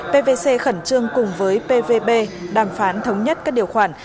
pvc khẩn trương cùng với pvb đàm phán thống nhất các điều khoản